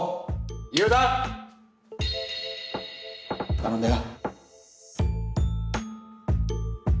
頼んだよ。